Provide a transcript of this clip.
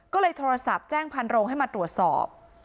ก็เลยโทรศัพท์แจ้งพันโรงให้มาตรวจสอบ